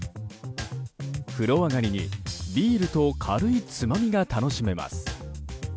風呂上がりにビールと軽いつまみが楽しめます。